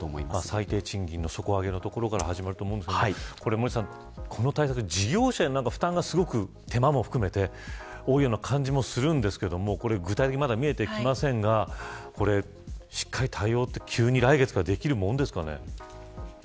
最低賃金の底上げから始まると思うんですが森田さん、この対策事業者に手間も含めて負担が多いような感じがするんですが具体的に、まだ見えてきませんがしっかり対応って急に来月からできるもんですかね。